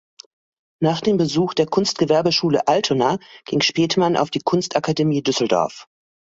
Nach dem Besuch der Kunstgewerbeschule Altona ging Spethmann auf die Kunstakademie Düsseldorf.